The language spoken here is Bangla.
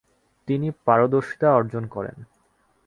তিনি পারদর্শিতা অর্জন করেন।